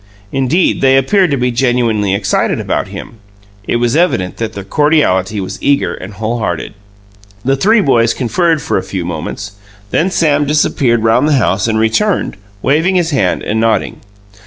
Indeed, they appeared to be genuinely excited about him it was evident that their cordiality was eager and wholehearted. The three boys conferred for a few moments; then Sam disappeared round the house and returned, waving his hand and nodding.